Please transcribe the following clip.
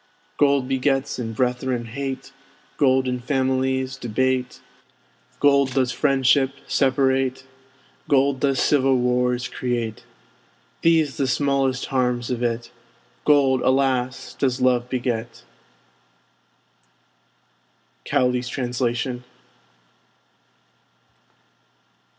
Gold begets in brethren hate; Gold in families debate; Gold does friendship separate; Gold does civil wars create. These the smallest harms of it! Gold, alas! does love beget. Cowley's Translation.